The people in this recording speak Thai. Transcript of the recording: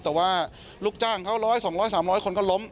แต่ว่าลูกจ้างเขา๑๐๐๒๐๐๓๐๐คนก็ล้ม